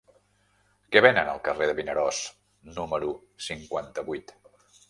Què venen al carrer de Vinaròs número cinquanta-vuit?